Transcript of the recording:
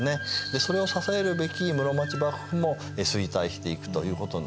それを支えるべき室町幕府も衰退していくということになります。